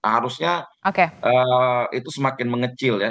harusnya itu semakin mengecil ya